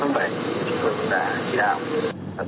chúng tôi cũng đã chỉ đạo